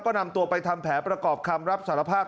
ก็นำตัวไปทำแผนประกอบคำรับสารภาพ